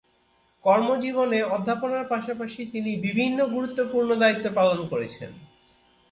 কর্মজীবনে অধ্যাপনার পাশাপাশি তিনি বিভিন্ন গুরুত্বপূর্ণ দায়িত্ব পালন করেছেন।